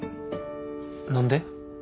何で？